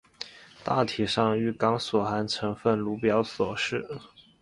大体上玉钢所含成分如表所示。